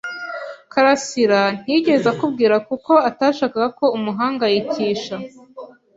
karasira ntiyigeze akubwira kuko atashakaga ko umuhangayikisha.